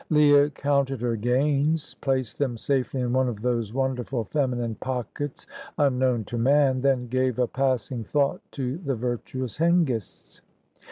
Leah counted her gains, placed them safely in one of those wonderful feminine pockets unknown to man, then gave a passing thought to the virtuous Hengists.